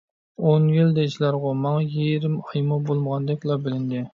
ئون يىل دەيسىلەرغۇ، ماڭا يېرىم ئايمۇ بولمىغاندەكلا بىلىندى.